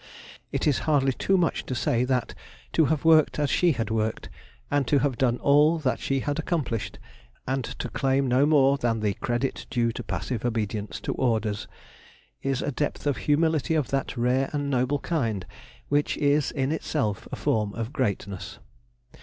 It is hardly too much to say that, to have worked as she had worked, and to have done all that she had accomplished, and to claim no more than the credit due to passive obedience to orders, is a depth of humility of that rare and noble kind which is in itself a form of greatness.